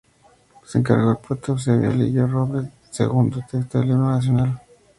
Se encargó al poeta Eusebio Lillo Robles, un segundo texto del Himno Nacional.